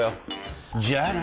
じゃあな。